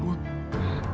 hah toki cut